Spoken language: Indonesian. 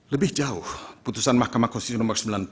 lebih jauh putusan mk no sembilan puluh